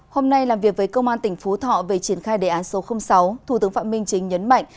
hôm nay làm việc với công an tỉnh phú thọ về triển khai đề án số sáu thủ tướng phạm minh chính nhấn mạnh